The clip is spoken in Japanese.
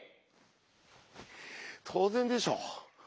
当然でしょ。